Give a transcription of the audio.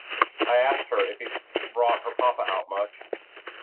I asked her if he brought her papa out much.